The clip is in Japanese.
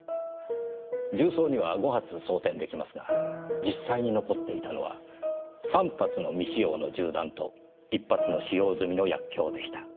銃倉には５発装填できますが実際に残っていたのは３発の未使用の銃弾と１発の使用済みの薬莢でした。